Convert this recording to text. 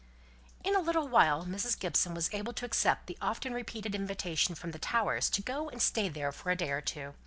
In a little while Mrs. Gibson was able to accept the often repeated invitation from the Towers to go and stay there for a day or two.